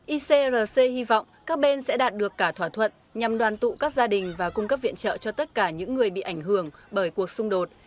icrc hy vọng các bên sẽ đạt được cả thỏa thuận nhằm đoàn tụ các gia đình và cung cấp viện trợ cho tất cả những người bị ảnh hưởng bởi cuộc xung đột